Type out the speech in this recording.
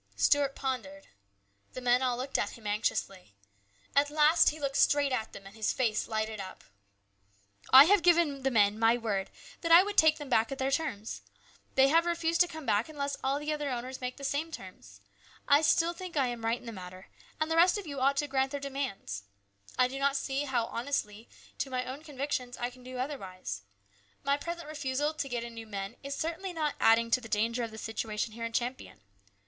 Stuart pondered. The men all looked at him anxiously. At last he looked straight at them and his face lighted up. " I have given the men my word that I would take them back at their terms. They have refused to come back unless all the other owners make the same terms. I still think I am right in the matter, A CHANGE. 107 and the rest of you ought to grant their demands. I do not see how in honesty to my own convictions I can do otherwise. My present refusal to get in new men is certainly not adding to the danger of the situation here in Champion.